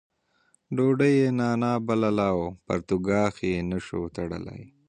ډوډۍ یې نانا بلله او پرتوګاښ نه شوای تړلی.